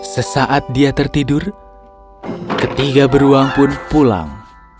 sesaat dia tertidur ketiga beruang pun pulang